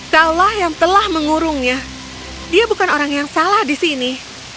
kaulah yang telah mengurungnya dia bukan orang yang salah di sini